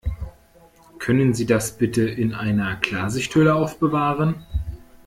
Können Sie das bitte in einer Klarsichthülle aufbewahren?